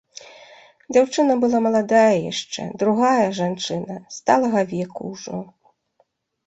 Дзяўчына была маладая яшчэ, другая, жанчына, сталага веку ўжо.